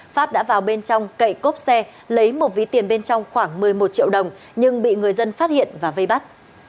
phát đã vào bên trong cậy cốp xe lấy một ví tiền bên trong khoảng một mươi một triệu đồng nhưng bị người dân phát hiện và vây bắt